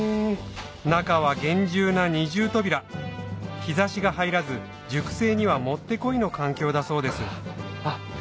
中は厳重な二重扉日差しが入らず熟成にはもってこいの環境だそうですあっ